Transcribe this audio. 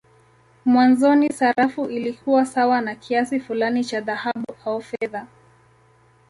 Mwanzoni sarafu ilikuwa sawa na kiasi fulani cha dhahabu au fedha.